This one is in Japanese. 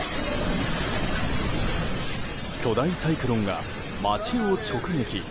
巨大サイクロンが街を直撃。